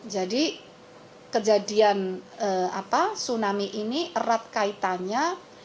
jadi kejadian tsunami ini erat kaitannya